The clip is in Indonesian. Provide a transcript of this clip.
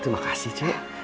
terima kasih c